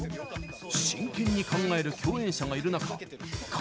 真剣に考える共演者がいる中神